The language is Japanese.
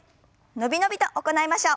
伸び伸びと行いましょう。